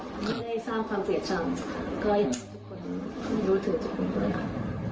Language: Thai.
ไม่ได้เจ้าความเสียชัง